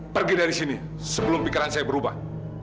pergi dari sini sebelum pikiran saya berubah